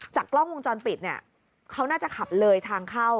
กล้องวงจรปิดเนี่ยเขาน่าจะขับเลยทางเข้า